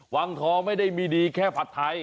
วังทองไม่ได้มีดีแค่ผัดไทย